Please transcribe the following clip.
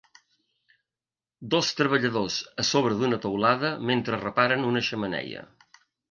Dos treballadors a sobre d'una teulada mentre reparen una xemeneia.